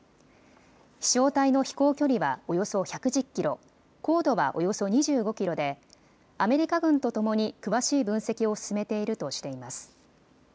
飛しょう体の飛行距離はおよそ１１０キロ、高度はおよそ２５キロでアメリカ軍とともに詳しい分析を進めているとしています。